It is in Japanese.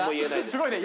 すごいね。